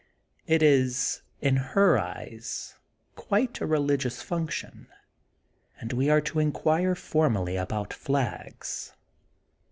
It is, in her eyes, quite a reUgious function. And we are to inquire formally about flags.